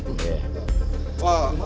kalau gak silahkan cari yang lain